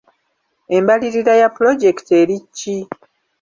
Embalirira ya pulojekiti eri ki?